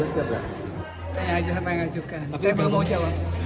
saya ajukan saya belum mau jawab